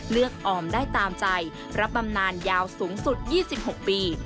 ออมได้ตามใจรับบำนานยาวสูงสุด๒๖ปี